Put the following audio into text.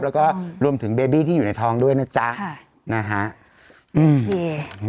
แล้วก็รวมถึงเบบี้ที่อยู่ในท้องด้วยนะจ๊ะค่ะนะฮะโอเค